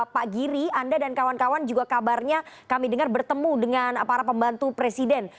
pak giri anda dan kawan kawan juga kabarnya kami dengar bertemu dengan para pembantu presiden